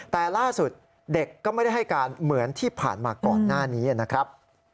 แต่ล่าสุดเด็กก็ไม่ได้ให้การเหมือนที่ผ่านมาก่อนหน้านี้นะครับ